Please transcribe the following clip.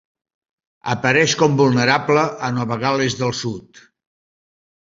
Apareix com vulnerable a Nova Gal·les del Sud.